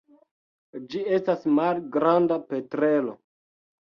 Ĝi estas malgranda petrelo.